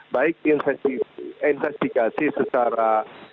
baik investigasi secara